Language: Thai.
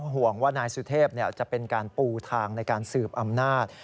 ห่วงว่านายสุเทพจะเป็นการปูทางในการสืบอำนาจ